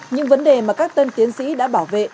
những vấn đề mà các tân tiến sĩ đã bảo vệ